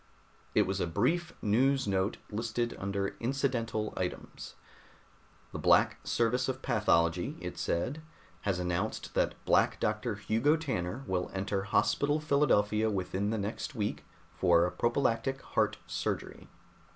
It was a brief news note, listed under "incidental items." "The Black Service of Pathology," it said, "has announced that Black Doctor Hugo Tanner will enter Hospital Philadelphia within the next week for prophylactic heart surgery.